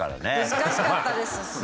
難しかったですすごい。